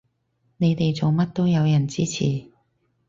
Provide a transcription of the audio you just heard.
你哋做乜都有人支持